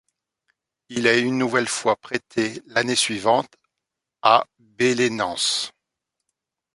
Il est une nouvelle fois prêté l'année suivante à Belenenses.